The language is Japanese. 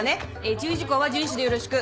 注意事項は順守でよろしく。